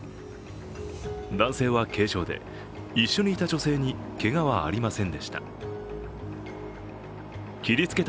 男性は軽傷で、一緒にいた女性にけがはありませんでした。